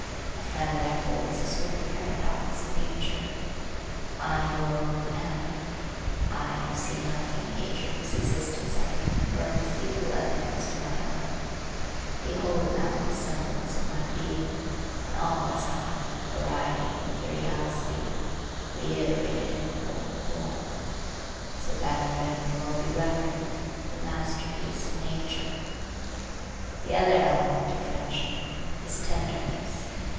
A friend therefore is a sort of paradox in nature. I who alone am, I who see nothing in nature whose existence I can affirm with equal evidence to my own, behold now the semblance of my being, in all its height, variety, and curiosity, reiterated in a foreign form; so that a friend may well be reckoned the masterpiece of nature. The other element of friendship is tenderness.